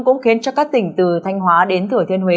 cũng khiến các tỉnh từ thanh hóa đến thủy thiên huế